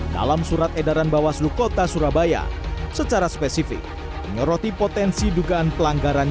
dalam surat edaran bawaslu kota surabaya secara spesifik menyoroti potensi dugaan pelanggaran